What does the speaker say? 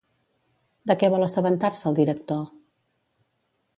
De què vol assabentar-se el director?